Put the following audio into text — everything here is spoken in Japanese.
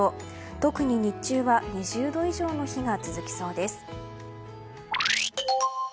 特に日中は２０度以上の日が続きそうです。